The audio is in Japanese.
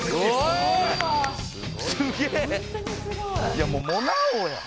いやもうモナ王やん。